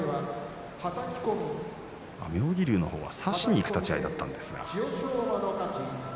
妙義龍の方は差しにいく立ち合いだったんですが。